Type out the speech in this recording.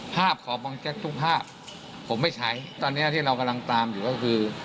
ภาพของบางแจ๊กทุกภาพผมไม่ใช้ตอนนี้ที่เรากำลังตามอยู่ก็คือ